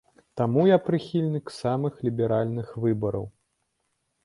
Таму я прыхільнік самых ліберальных выбараў.